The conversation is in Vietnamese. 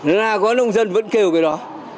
là có nông dân vẫn kêu cái đó